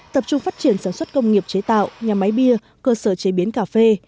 trùng phát triển sản xuất công nghiệp chế tạo nhà máy bia cơ sở chế biến cà phê